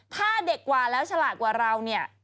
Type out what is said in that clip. ถ้าเด็กกว่าแล้วฉลาดกว่าเราเนี่ย